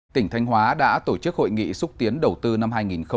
tỉnh thanh hóa đã tổ chức hội nghị xúc tiến đầu tư năm hai nghìn hai mươi